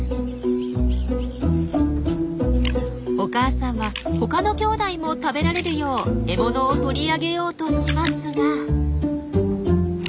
お母さんは他のきょうだいも食べられるよう獲物を取り上げようとしますが。